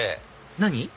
何？